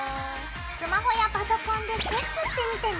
スマホやパソコンでチェックしてみてね！